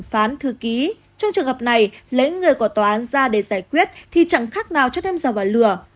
phán thư ký trong trường hợp này lấy người của tòa án ra để giải quyết thì chẳng khác nào cho thêm giờ vào lửa